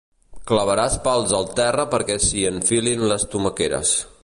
Clavaràs pals al terra perquè s'hi enfilin les tomaqueres.